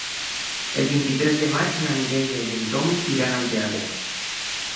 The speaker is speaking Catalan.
El vint-i-tres de maig na Mireia i en Tom iran al teatre.